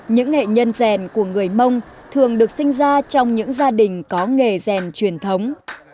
những nghệ nhân rèn của người mông thường được sinh ra trong những gia đình có nghề rèn truyền thống